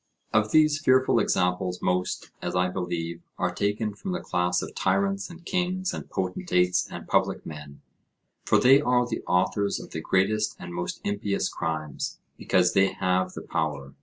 Of these fearful examples, most, as I believe, are taken from the class of tyrants and kings and potentates and public men, for they are the authors of the greatest and most impious crimes, because they have the power.